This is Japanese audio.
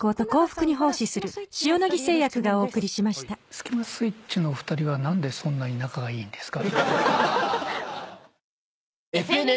スキマスイッチのお二人は何でそんなに仲がいいんですか？